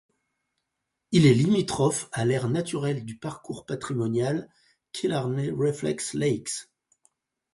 Il est limitrophe à l'aire naturelle du parcours patrimonial Killarney-Reflex Lakes.